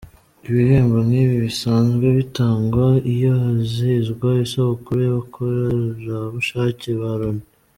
Ibihembo nk’ibi bisanzwe bitangwa iyo hizihizwa isabukuru y’abakorerabushake ba Loni.